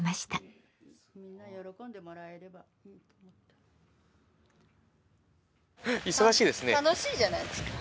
楽しいじゃないですか。